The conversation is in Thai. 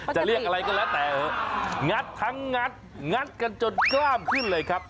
จะเรียกอะไรก็แล้วแต่งัดทั้งงัดงัดกันจนกล้ามขึ้นเลยครับ